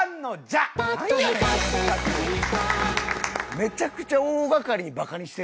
めちゃくちゃ大がかりにバカにしてるやん。